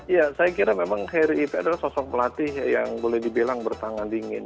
ya saya kira memang harry itu adalah sosok pelatih yang boleh dibilang bertangan dingin